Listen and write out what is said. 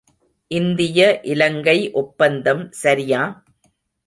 இந்திய இலங்கை ஒப்பந்தம் சரியா?